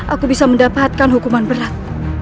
aku bisa mendapatkan hukuman berat